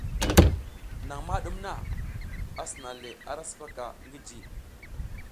Naƞ ma ɗum na, a sina le ara sipaka ngi ji.